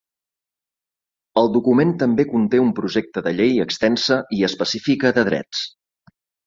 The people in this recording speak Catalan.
El document també conté un projecte de llei extensa i específica de Drets.